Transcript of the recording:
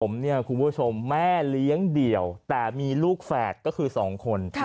ผมเนี่ยคุณผู้ชมแม่เลี้ยงเดี่ยวแต่มีลูกแฝดก็คือ๒คน